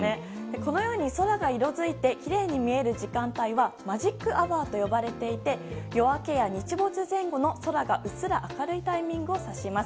このように、空が色づいてきれいに見える時間帯はマジックアワーと呼ばれていて夜明けや日没前後の空がうっすら明るいタイミングを指します。